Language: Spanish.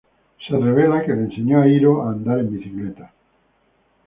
Se revela que le enseñó a Hiro a andar en bicicleta.